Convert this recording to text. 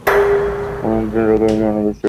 আমি একজন রোগীর মনোবিশ্লেষণ করছি।